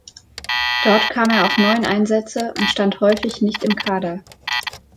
Dort kam er auf neun Einsätze und stand häufig nicht im Kader.